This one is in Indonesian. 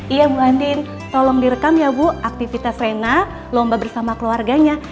iya bu andin tolong direkam ya bu aktivitas rena lomba bersama keluarganya